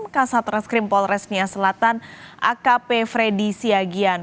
kasat reskrim polres nia selatan akp freddy siagian